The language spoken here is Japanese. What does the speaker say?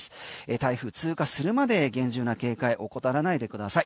台風通過するまで厳重な警戒を怠らないでください。